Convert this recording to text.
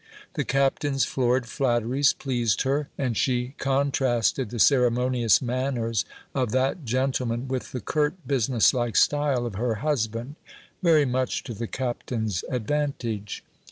The Captain's florid flatteries pleased her; and she contrasted the ceremonious manners of that gentleman with the curt business like style of her husband, very much to the Captain's advantage.